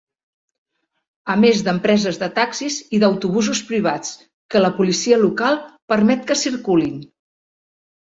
A més d'empreses de taxis i d'autobusos privats, que la policia local permet que circulin.